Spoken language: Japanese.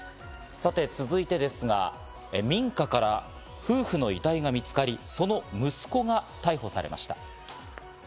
さて続いてですが、民家から夫婦の遺体が見つかり、その息子が逮捕されました。